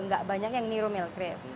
tidak banyak yang niru milt krips